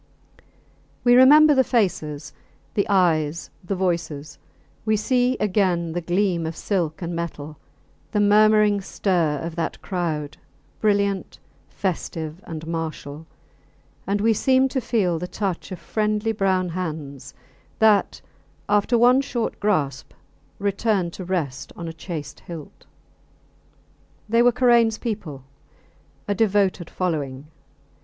We remember the faces, the eyes, the voices, we see again the gleam of silk and metal; the murmuring stir of that crowd, brilliant, festive, and martial; and we seem to feel the touch of friendly brown hands that, after one short grasp, return to rest on a chased hilt. They were Karains people a devoted following.